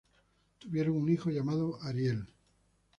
Tuvieron un hijo llamado Ariel.